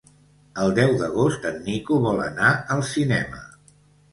El deu d'agost en Nico vol anar al cinema.